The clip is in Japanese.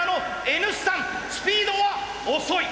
スピードは遅い！